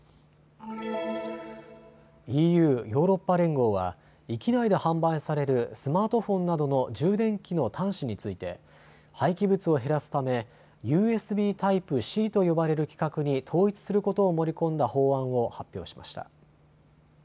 ＥＵ・ヨーロッパ連合は域内で販売されるスマートフォンなどの充電器の端子について廃棄物を減らすためＵＳＢタイプＣと呼ばれる規格に統一することを盛り込んだ法案を発表しました。